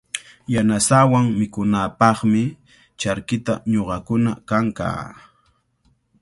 Yanasaawan mikunaapaqmi charkita ñuqakuna kankaa.